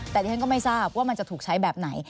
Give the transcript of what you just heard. แต่ดิฉันก็ไม่ทราบว่ามันจะถูกใช้แบบไหน